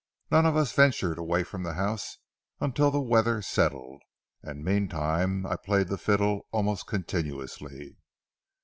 None of us ventured away from the house until the weather settled, and meantime I played the fiddle almost continuously.